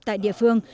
tại địa phương